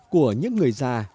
của những người già